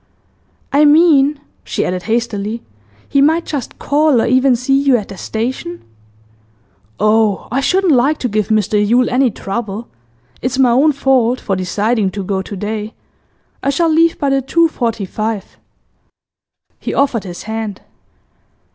'I mean,' she added, hastily, 'he might just call, or even see you at the station?' 'Oh, I shouldn't like to give Mr Yule any trouble. It's my own fault, for deciding to go to day. I shall leave by the 2.45.' He offered his hand.